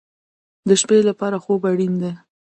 د شپې لپاره خوب اړین دی